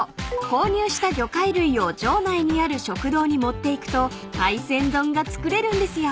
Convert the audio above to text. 購入した魚介類を場内にある食堂に持っていくと海鮮丼が作れるんですよ］